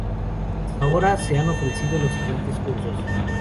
Hasta ahora se han ofrecido los siguientes cursos.